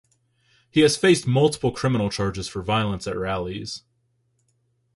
He has faced multiple criminal charges for violence at rallies.